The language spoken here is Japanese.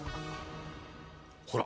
ほら！